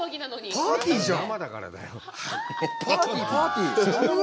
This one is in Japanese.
パーティー、パーティー。